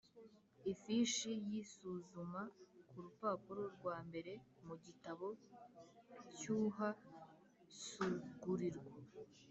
Ifishi y isuzuma ku rupapuro rwa mbere mu Gitabo cy Uhsugurwa